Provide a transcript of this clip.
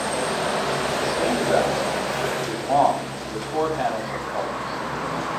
The standardized version is long with four panels of colors.